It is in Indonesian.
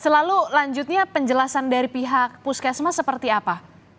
lalu lanjutnya penjelasan dari pihak puskesmas seperti apa